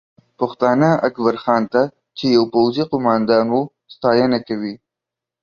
پښتانه اکبرخان ته چې یو پوځي قومندان و، ستاینه کوي